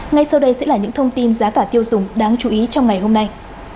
ngay sau đây sẽ là những thông tin giá cả tiêu dùng đáng chú ý trong ngày hôm nay